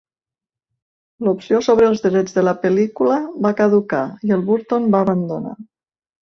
L'opció sobre els drets de la pel·lícula va caducar, i el Burton va abandonar.